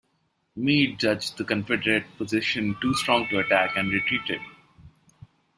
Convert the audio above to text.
Meade judged the Confederate position too strong to attack and retreated.